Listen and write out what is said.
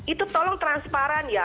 itu tolong transparan ya